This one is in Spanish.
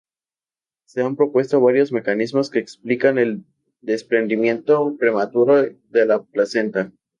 Se han propuesto varios mecanismos que explican el desprendimiento prematuro de la placenta.